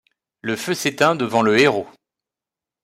Le feu s'éteint devant le héros.